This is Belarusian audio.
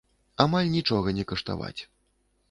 Амаль нічога не каштаваць.